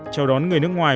chào đón người nước ngoài